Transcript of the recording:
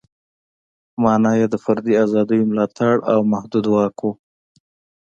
معنا یې د فردي ازادیو ملاتړ او محدود واک و.